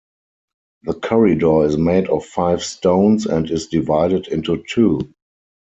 The corridor is made of five stones, and is divided into two.